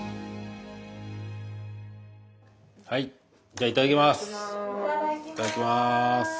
じゃあいただきます。